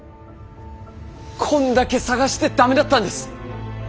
こんだけ探してダメだったんです。